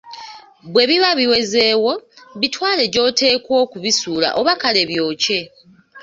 Bwebiba biwezeewo, bitwale gy‘oteekwa okubisuula oba kale byokye.